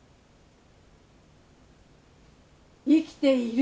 ・生きている。